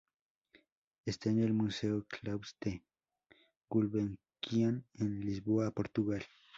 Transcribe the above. Está en el Museo Calouste Gulbenkian, en Lisboa, Portugal.